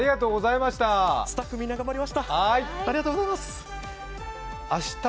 スタッフみんな頑張りました。